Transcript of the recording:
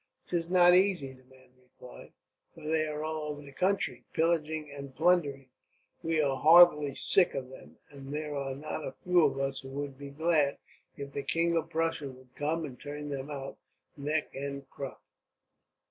"'Tis not easy," the man replied, "for they are all over the country, pillaging and plundering. We are heartily sick of them, and there are not a few of us who would be glad, if the King of Prussia would come and turn them out, neck and crop."